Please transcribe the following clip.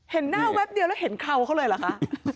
เห็นหน้าแวบเดียวแล้วเห็นเขาเลยเหรอคะ